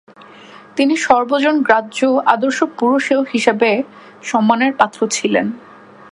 তিনি সর্বজনগ্রাহ্য আদর্শ পুরুষ হিসাবেও সম্মানের পাত্র ছিলেন।